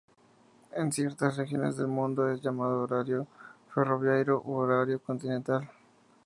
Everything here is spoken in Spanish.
En ciertas regiones del mundo, es llamado horario ferroviario u horario continental.